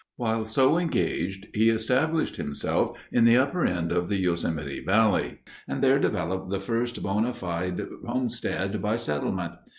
While so engaged, he established himself in the upper end of Yosemite Valley and there developed the first bona fide homestead by settlement.